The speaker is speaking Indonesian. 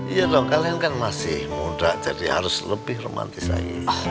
iya lokal kan masih muda jadi harus lebih romantis lagi